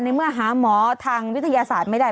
เมื่อหาหมอทางวิทยาศาสตร์ไม่ได้